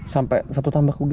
sampai satu tambah kuging